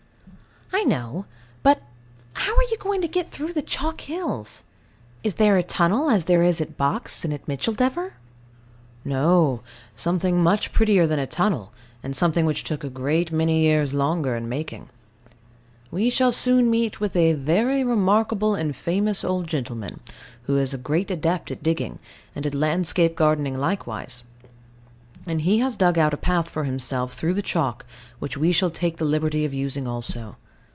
I know. But how are you going to get through the chalk hills? Is there a tunnel as there is at Box and at Micheldever? No. Something much prettier than a tunnel and something which took a great many years longer in making. We shall soon meet with a very remarkable and famous old gentleman, who is a great adept at digging, and at landscape gardening likewise; and he has dug out a path for himself through the chalk, which we shall take the liberty of using also.